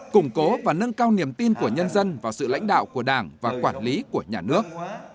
củng cố và nâng cao niềm tin của nhân dân vào sự lãnh đạo của đảng và quản lý của nhà nước